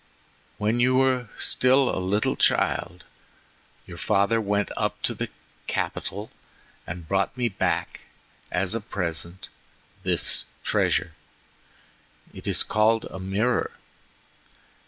"When you were still a little child your father went up to the capital and brought me back as a present this treasure; it is called a mirror.